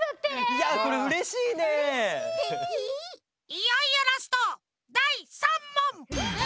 いよいよラストだい３もん！